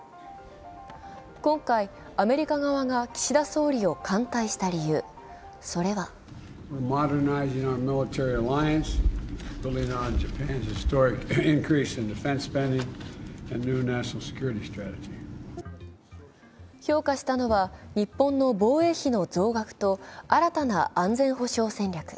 今回、アメリカ側が岸田総理を歓待した理由、それは評価したのは、日本の防衛費の増額と新たな安全保障戦略。